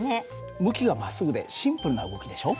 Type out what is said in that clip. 向きがまっすぐでシンプルな動きでしょ？